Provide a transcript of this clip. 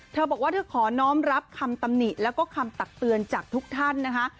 เธอบอกว่าเธอขอน้องรับคำตำหนิแล้วก็คำตักเตือนจากทุกท่านนะคะ